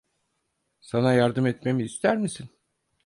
Sana yardım etmemi ister misin?